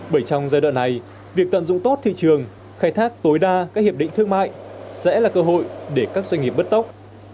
bởi trong giai đoạn này việc tận dụng tốt thị trường khai thác tối đa các hiệp định thương mại sẽ là cơ hội để các doanh nghiệp bứt tốc